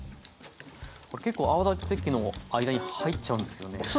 これ結構泡立て器の間に入っちゃうんですよね。